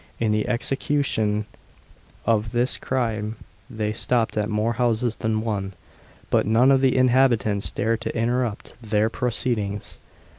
In the execution of this crime they stopped at more houses than one, but none of the inhabitants dared interrupt their proceedings.